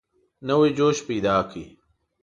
نوی جوش پیدا کړ.